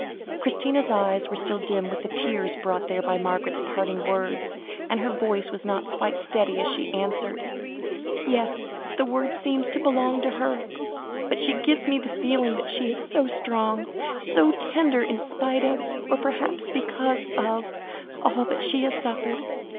Christina's eyes were still dim with the tears brought there by Margaret's parting words, and her voice was not quite steady, as she answered "Yes; the word seems to belong to her, but she gives me the feeling that she is so strong, so tender, in spite of, or perhaps because of, all that she has suffered.